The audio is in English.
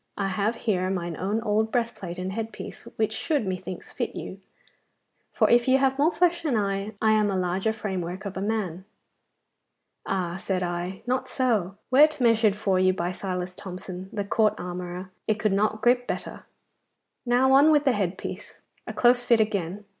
I have here mine own old breastplate and head piece, which should, methinks, fit you, for if you have more flesh than I, I am a larger framework of a man. Ah, said I not so! Were't measured for you by Silas Thomson, the court armourer, it could not grip better. Now on with the head piece. A close fit again.